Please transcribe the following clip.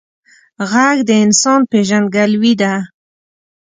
غږ د انسان پیژندګلوي ده